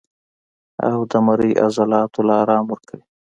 او د مرۍ عضلاتو له ارام ورکوي